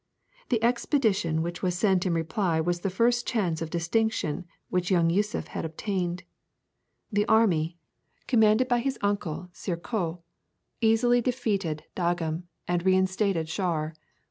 The expedition which was sent in reply was the first chance of distinction which young Yûssuf had obtained. The army, commanded by his uncle Shirkoh, easily defeated Dargham and reinstated Shawer.